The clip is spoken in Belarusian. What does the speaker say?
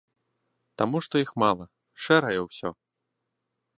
Таму што іх мала, шэрае ўсё.